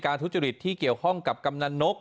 ทุจริตที่เกี่ยวข้องกับกำนันนก